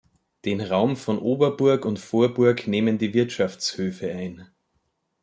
Den Raum von Oberburg und Vorburg nehmen die Wirtschaftshöfe ein.